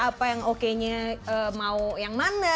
apa yang oke nya mau yang mana